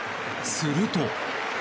すると。